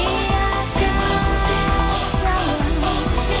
kuatkan jiwa menghadapi dunia